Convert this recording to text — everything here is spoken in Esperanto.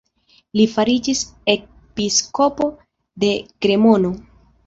Li fariĝis episkopo de Kremono.